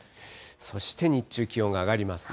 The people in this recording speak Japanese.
そして日中、気温が上がりますね。